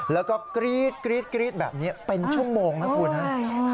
แล้วก็กรี๊ดกรี๊ดแบบนี้เป็นชั่วโมงนะคุณฮะ